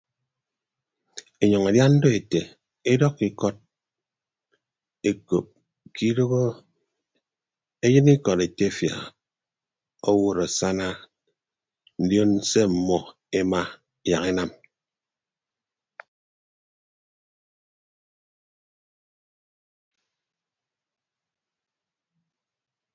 Enyʌñ edian do ete edọkkọ ikọd ekop ke idooho eyịn ikọd etefia owod asana ndion se ọmmọ ema yak enam.